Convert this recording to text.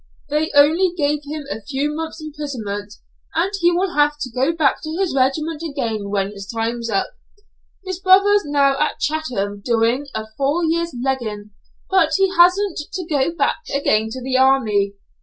They only gave him a few months' imprisonment, and he will have to go back to his regiment again when his time's up. His brother's now at Chatham, doing a four years 'legging,' but he hasn't to go back again to the army.